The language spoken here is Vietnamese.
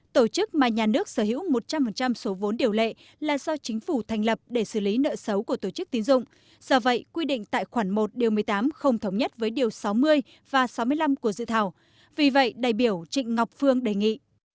tổ chức mà nhà nước sở hữu một trăm linh số vốn điều lệ là do chính phủ thành lập để xử lý nợ xấu của tổ chức tín dụng do vậy quy định tại khoản một điều một mươi tám không thống nhất với điều sáu mươi và sáu mươi năm của dự thảo vì vậy đại biểu trịnh ngọc phương đề nghị